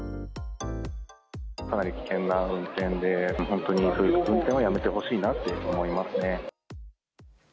かなり危険な運転で、本当にそういう運転はやめてほしいなと思いますね。